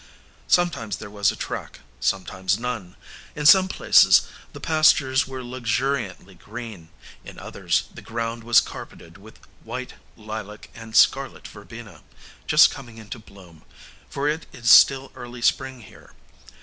Sometimes there was a track, sometimes none. In some places the pastures were luxuriantly green; in others the ground was carpeted with white, lilac, and scarlet verbena, just coming into bloom for it is still early spring here.